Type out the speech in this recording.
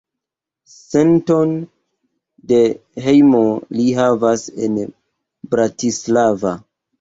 Senton de hejmo li havas en Bratislava.